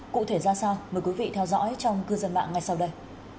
cụ thể ra sao mời quý vị theo dõi trong cư dân mạng ngay sau đây